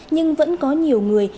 nhưng vẫn có nhiều người